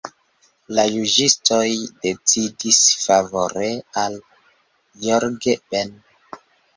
La juĝistoj decidis favore al Jorge Ben.